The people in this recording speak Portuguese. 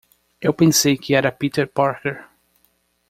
Eu pensei que era Peter Parker.